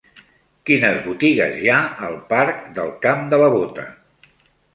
Quines botigues hi ha al parc del Camp de la Bota?